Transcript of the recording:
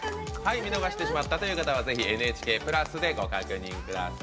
見逃してしまったという方はぜひ「ＮＨＫプラス」でご確認ください。